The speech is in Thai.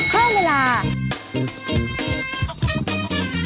เพิ่มเวลา